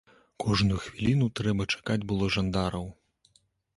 Кожную хвіліну трэба чакаць было жандараў.